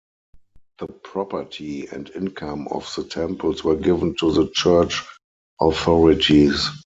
The property and income of the temples were given to the church authorities.